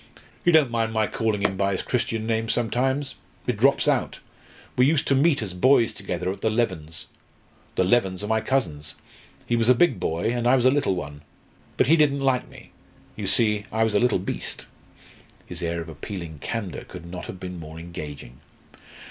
"You don't mind my calling him by his Christian name sometimes? It drops out. We used to meet as boys together at the Levens. The Levens are my cousins. He was a big boy, and I was a little one. But he didn't like me. You see I was a little beast!" His air of appealing candour could not have been more engaging.